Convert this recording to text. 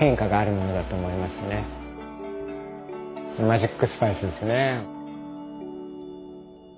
マジックスパイスですね。